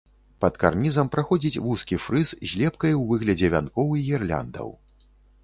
Пад карнізам праходзіць вузкі фрыз з лепкай у выглядзе вянкоў і гірляндаў.